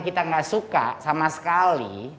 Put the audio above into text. kita nggak suka sama sekali